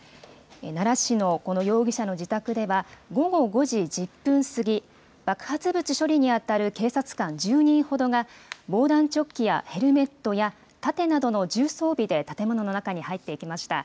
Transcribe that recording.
奈良市の容疑者の自宅では、午後５時１０分過ぎ、爆発物処理に当たる警察官１０人ほどが、防弾チョッキやヘルメットや盾などの重装備で建物の中に入っていきました。